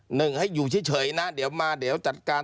หนึ่งให้อยู่เฉยนะเดี๋ยวมาเดี๋ยวจัดการ